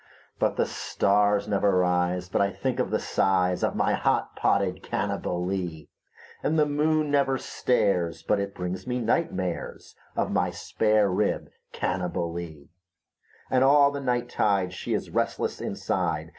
But the stars never rise but I think of the size Of my hot potted Cannibalee, And the moon never stares but it brings me night mares Of my spare rib Cannibalee; And all the night tide she is restless inside.